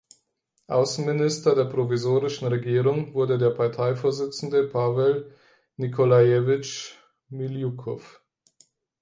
Außenminister der Provisorischen Regierung wurde der Parteivorsitzende Pawel Nikolajewitsch Miljukow.